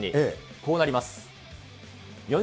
こうなります。